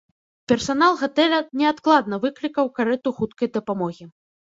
Персанал гатэля неадкладна выклікаў карэту хуткай дапамогі.